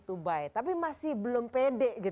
to buy tapi masih belum pede